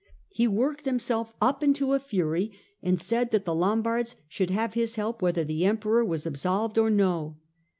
He worked himself up into a fury and said that the Lombards should have his help whether the Emperor were absolved or no.